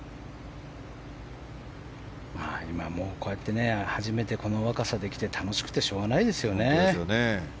今こうやって初めてこの若さで来て楽しくてしょうがないですよね。